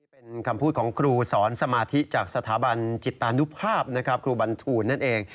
เป็นคำพูดของครูสอนสมาธิจากสถาบันจิตตานุภาพนะครับครูบรรทูลนั่นเอง